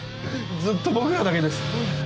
ずっと僕らだけです。